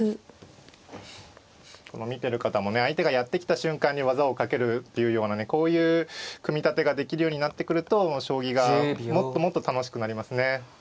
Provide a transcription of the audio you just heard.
見てる方もね相手がやってきた瞬間に技をかけるっていうようなねこういう組み立てができるようになってくると将棋がもっともっと楽しくなりますね。